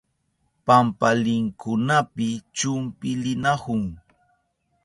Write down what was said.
Pampalinkunapi chumpilinahun.